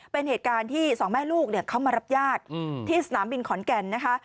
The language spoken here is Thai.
เป็นเหตุการณ์ที่สองแม่ลูกเขามารับญาติที่สนามบินขอนแก่นนะคะ